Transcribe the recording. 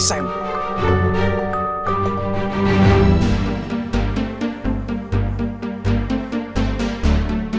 tidak ada yang bisa dihukum